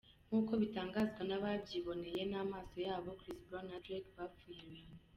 Nk’uko bitangazwa n’ababyiboneye n’amaso yabo, Chris Brown na Drake bapfuye Rihanna.